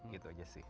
gitu aja sih